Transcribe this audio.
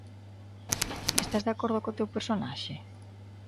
Estás de acordo co teu personaxe?